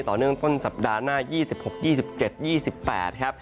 ต่อเนื่องต้นซัปดาน่าง๒๖๒๗๒๘